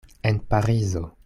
En Parizo.